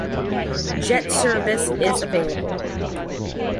Jet service is available.